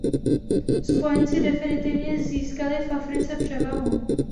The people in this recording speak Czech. Spojenci definitivně získali v Africe převahu.